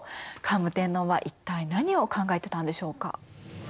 桓武天皇は一体何を考えてたんでしょうか。